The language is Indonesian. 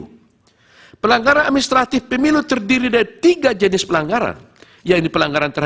hai pelanggaran administratif pemilu terdiri dari tiga jenis pelanggaran yang depan l fresnel